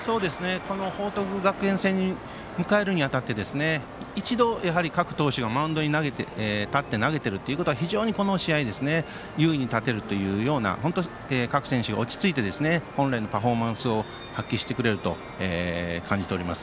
報徳学園戦を迎えるに当たって一度、各投手がマウンドに立って投げているというのは非常にこの試合優位に立てるというような本当に各選手が落ち着いて本来のパフォーマンスを発揮してくれると感じております。